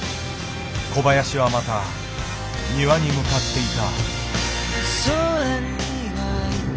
小林はまた庭に向かっていた。